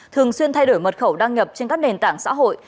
thường xuyên thay đổi mật khẩu đăng nhập trên các nền tảng xã hội